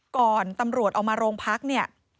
ก่อนตำรวจเอามาโรงพักเนี่ย